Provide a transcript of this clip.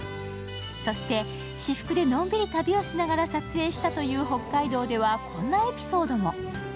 そして、私服でのんびり旅をしながら撮影したという北海道ではこんなエピソードも。